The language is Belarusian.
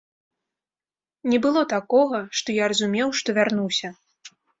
Не было такога, што я разумеў, што вярнуся.